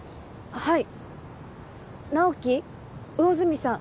はい直木魚住さん